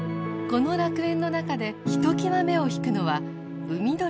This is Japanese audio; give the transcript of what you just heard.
この楽園の中でひときわ目を引くのは海鳥たちです。